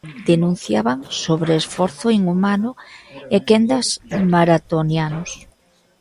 Denunciaban sobreesforzo inhumano e quendas maratonianos.